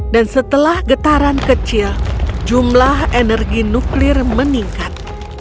dan setelah itu jumlah energi nuklir meningkat